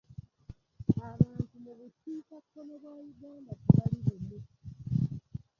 Abantu mu bukiikakkono bwa Uganda tebali bumu.